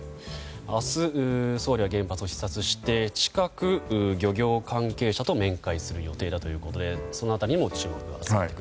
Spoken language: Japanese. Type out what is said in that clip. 明日、総理は原発を視察して近く、漁業関係者と面会する予定だということでその辺りも注目だと。